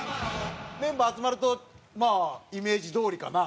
メンバー集まるとまあイメージどおりかな。